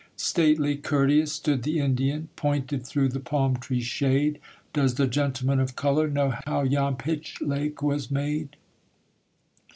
Stately, courteous, stood the Indian; Pointed through the palm tree shade: 'Does the gentleman of colour Know how yon Pitch Lake was made?'